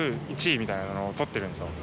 １位みたいなのをとってるんですよ